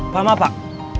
paham apa pak